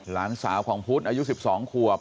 หลานสาวของพุทธอายุ๑๒ขวบ